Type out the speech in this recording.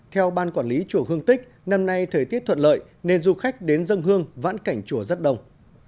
theo ban quản lý chùa hương tích năm nay thời tiết thuận lợi nên du khách đến dân hương vãn cảnh chùa rất đông